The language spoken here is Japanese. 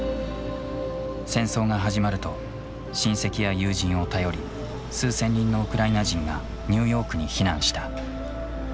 戦争が始まると親戚や友人を頼り数千人のウクライナ人がニューヨークに避難した。